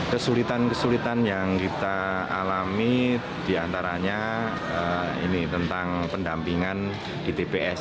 kesulitan kesulitan yang kita alami diantaranya ini tentang pendampingan di tps